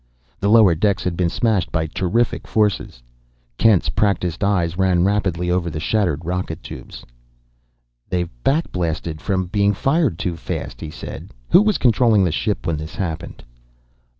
The lower decks had been smashed by terrific forces. Kent's practiced eyes ran rapidly over the shattered rocket tubes. "They've back blasted from being fired too fast," he said. "Who was controlling the ship when this happened?"